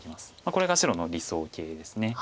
これが白の理想形です。